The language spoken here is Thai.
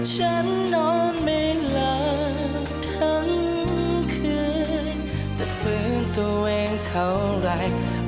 ฉันนอนไม่หลับทั้งคืนจะฟื้นตัวเองเท่าไร